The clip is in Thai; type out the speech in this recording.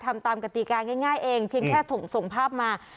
ทำตามกติกาง่ายเองเพียงแค่ส่งภาพมา